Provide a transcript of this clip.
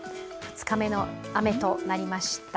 ２日目の雨となりました。